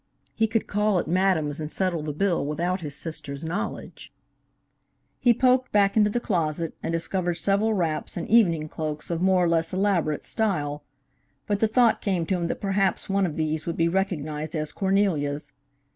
He could call at Madame's and settle the bill without his sister's knowledge. He poked back into the closet and discovered several wraps and evening cloaks of more or less elaborate style, but the thought came to him that perhaps one of these would be recognized as Cornelia's.